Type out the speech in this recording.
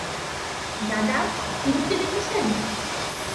দাদা, থিরুকে দেখেছেন?